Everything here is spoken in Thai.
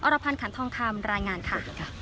รพันธ์ขันทองคำรายงานค่ะ